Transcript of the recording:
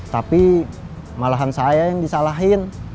tapi malahan saya yang disalahin